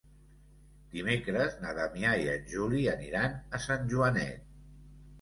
Dimecres na Damià i en Juli aniran a Sant Joanet.